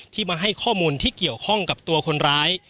ที่มาให้ข้อมูลที่เกี่ยวข้องกับตัวคนร้าย